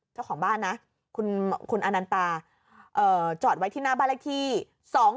เจ้าของบ้านนะคุณคุณอนันตาเอ่อจอดไว้ที่หน้าบ้านแรกที่สอง